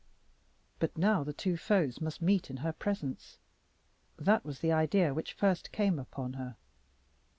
But now the two foes must meet in her presence. That was the idea which first came upon her.